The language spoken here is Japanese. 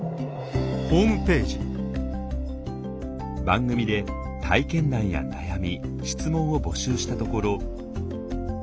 番組で体験談や悩み質問を募集したところ。